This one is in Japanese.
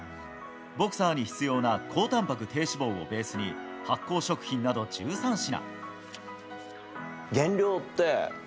ボクサーに必要な高たんぱく低脂肪をベースに発酵食品など１３品。